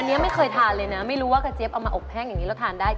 อันนี้ไม่เคยทานเลยนะไม่รู้ว่ากระเจี๊ยบเอามาอบแห้งอย่างนี้แล้วทานได้